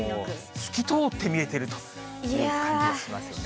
透き通って見えているという感じがしますね。